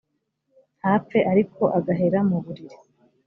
ntapfe ariko agahera mu buriri